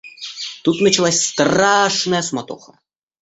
Тут началась страшная суматоха.